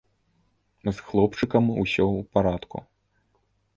З хлопчыкам усё ў парадку.